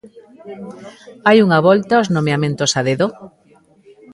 Hai unha volta aos nomeamentos a dedo?